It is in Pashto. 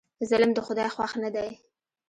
ظلم د خدای خوښ نه دی.